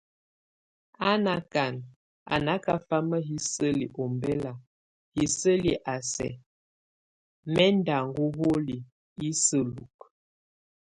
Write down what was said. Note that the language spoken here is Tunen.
A nákan a nákafama hiseli ombɛla, hiseli a sɛk mɛ́ ndʼ aŋo holi, isejuk.